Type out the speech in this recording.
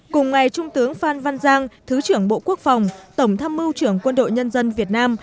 cùng ngày trung tướng phan văn giang thứ trưởng bộ quốc phòng tổng tham mưu trưởng quân đội nhân dân việt nam